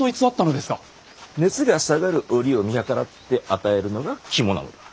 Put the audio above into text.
熱が下がる折を見計らって与えるのが肝なのだ。